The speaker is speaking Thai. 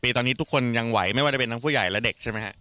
ตอนนี้ทุกคนยังไหวไม่ว่าจะเป็นทั้งผู้ใหญ่และเด็กใช่ไหมครับ